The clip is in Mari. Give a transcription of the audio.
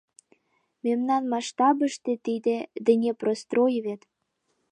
Мемнан масштабыште тиде — Днепрострой вет.